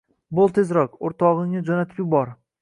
Bor tezroq, o‘rtog‘ingni jo‘natib yubor